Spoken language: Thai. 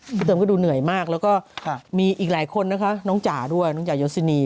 เติมก็ดูเหนื่อยมากแล้วก็มีอีกหลายคนนะคะน้องจ๋าด้วยน้องจ่ายศินี